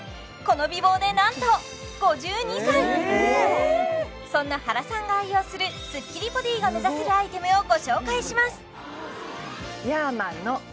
この美貌で何とそんな原さんが愛用するスッキリボディが目指せるアイテムをご紹介します